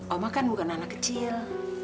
oma kan bukan anak kecil